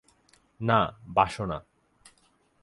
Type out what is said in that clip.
না, বাসো না।